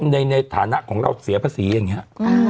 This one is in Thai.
ในฐานะของเราเสียภาษีอย่างนี้